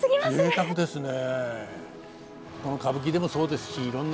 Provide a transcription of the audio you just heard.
ぜいたくですね。